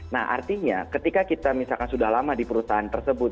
nah artinya ketika kita misalkan sudah lama di perusahaan tersebut